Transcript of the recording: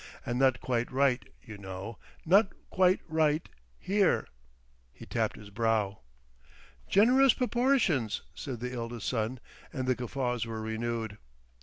And not quite right, you know. Not quite right—here." He tapped his brow. "Generous proportions!" said the eldest son, and the guffaws were renewed.